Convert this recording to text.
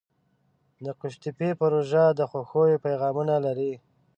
د قوشتېپې پروژه د خوښیو پیغامونه لري.